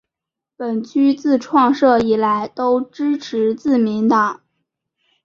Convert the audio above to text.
本区自创设以来都支持自民党。